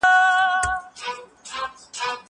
زه به سبا لاس پرېولم وم؟!